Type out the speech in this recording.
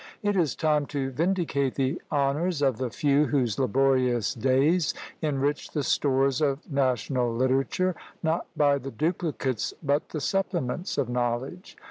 It is time to vindicate the honours of the few whose laborious days enrich the stores of national literature, not by the duplicates but the supplements of knowledge.